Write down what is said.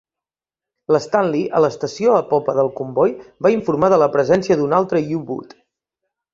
L'Stanley, a l'estació a popa del comboi, va informar de la presència d'un altre U-boot.